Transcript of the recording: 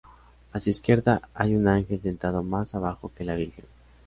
A su izquierda hay un ángel sentado más abajo que la Virgen.